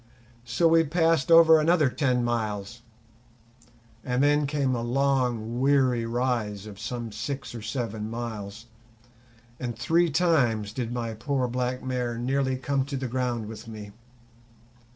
So we passed over another ten miles, and then came a long, weary rise of some six or seven miles, and three times did my poor black mare nearly come to the ground with me.